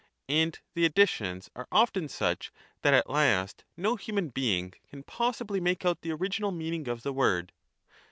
And the additions are often such 1 ■ 111 KOTOTTTpOl'. that at last no human bemg can possibly make out the original meaning of the word.